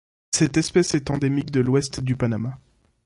Cette espèce est endémique de l'Ouest du Panamá.